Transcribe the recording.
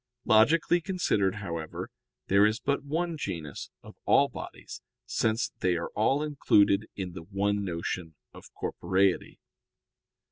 Logically considered, however, there is but one genus of all bodies, since they are all included in the one notion of corporeity.